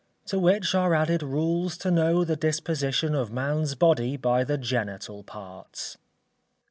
To which are added Rules to Know the Disposition of Man's Body by the Genital Parts.